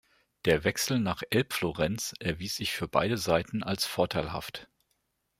Der Wechsel nach Elbflorenz erwies sich für beide Seiten als vorteilhaft.